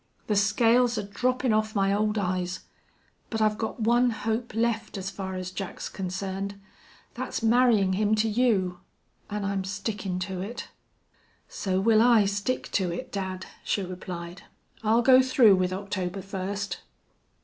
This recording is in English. The scales are droppin' off my ole eyes.... But I've got one hope left as far as Jack's concerned. Thet's marryin' him to you. An' I'm stickin' to it." "So will I stick to it, dad," she replied. "I'll go through with October first!"